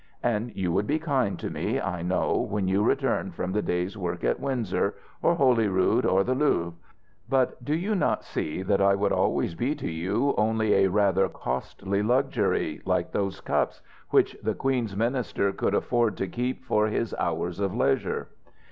And you would be kind to me, I know when you returned from the day's work at Windsor or Holyrood or the Louvre. But do you not see that I would always be to you only a rather costly luxury, like those cups, which the Queen's minister could afford to keep for his hours of leisure?"